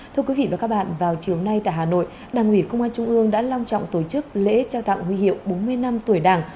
thưa quý vị và các bạn vào chiều nay tại hà nội đảng ủy công an trung ương đã long trọng tổ chức lễ trao tặng huy hiệu bốn mươi năm tuổi đảng